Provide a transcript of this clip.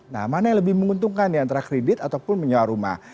nah mana yang lebih menguntungkan ya antara kredit ataupun menyewa rumah